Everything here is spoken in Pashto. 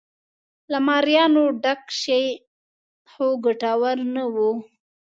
له مریانو ډک شي خو ګټور نه و.